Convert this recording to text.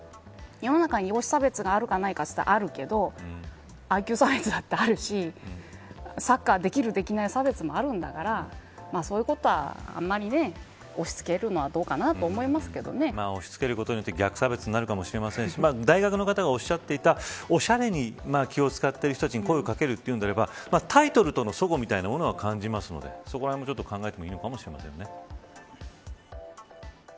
世の中に、容姿差別があるかないかというと、あるけどＩＱ差別だってあるしサッカーできるできない差別もあるんだからそういうことはあまり押し付けるのは押し付けることによって逆差別になるかもしれませんし大学の方が、おっしゃっていたおしゃれに気を付ける人たちに声をかけるというのであればタイトルとのそごは感じるのでそこらへんは、考えてもいいのかもしれません。